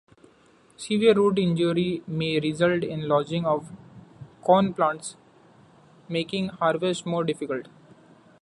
Severe root injury may result in lodging of corn plants, making harvest more difficult.